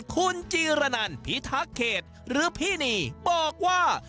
คุณจีรนันพิทักษ์เขตหรือพี่นีบอกว่า